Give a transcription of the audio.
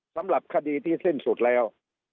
สำหรับคดีที่สิ้นสุดแล้ว